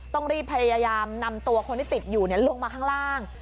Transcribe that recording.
ต้องรีบพยายามนำตัวคนที่ติดอยู่ลงมาข้างล่าง